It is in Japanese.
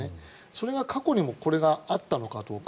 それが過去にもこれがあったのかどうか。